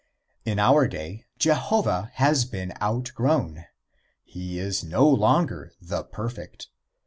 In our day Jehovah has been outgrown. He is no longer the perfect.